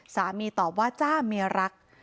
ตอบว่าจ้าเมียรัก